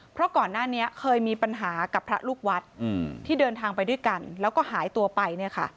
เพราะก่อนหน้านี้เคยมีปัญหากับพระลูกวัดที่เดินทางไปด้วยกันแล้วก็หายตัวไปเนี่ยค่ะ